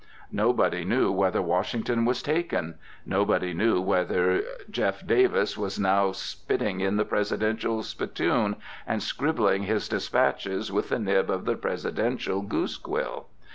Nobody knew whether Washington was taken. Nobody knew whether Jeff. Davis was now spitting in the Presidential spittoon, and scribbling his distiches with the nib of the Presidential goose quill.